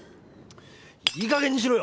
いいかげんにしろよ！